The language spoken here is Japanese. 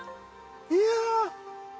いや。